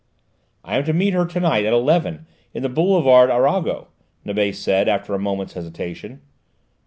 "I am to meet her to night at eleven, in the boulevard Arago," Nibet said, after a moment's hesitation.